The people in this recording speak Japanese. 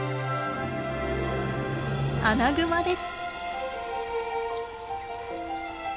アナグマです。